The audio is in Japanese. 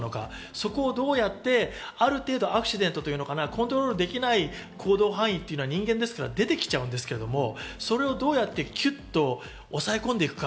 そこをどうやってある程度アクシデントというかコントロールできない行動範囲というのが人間なので出てきちゃうんですけど、それをどうやってキュッと抑え込んでいくか。